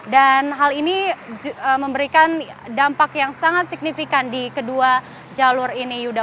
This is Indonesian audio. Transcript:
dan hal ini memberikan dampak yang sangat signifikan di kedua jalur ini yuda